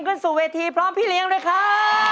ขึ้นสู่เวทีพร้อมพี่เลี้ยงด้วยครับ